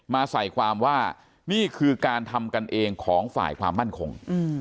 มาใส่ความว่านี่คือการทำกันเองของฝ่ายความมั่นคง